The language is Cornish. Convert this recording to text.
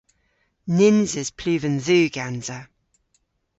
Nyns eus pluven dhu gansa.